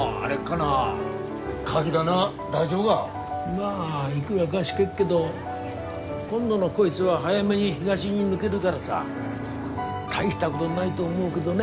まあいくらかしけっけど今度のこいつは早めに東に抜げるからさ大したごどないと思うけどね